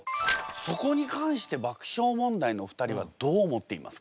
そこに関して爆笑問題のお二人はどう思っていますか？